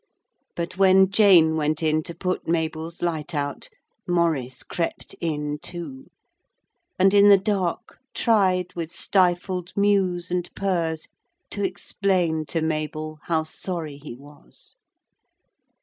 But when Jane went in to put Mabel's light out Maurice crept in too, and in the dark tried with stifled mews and purrs to explain to Mabel how sorry he was.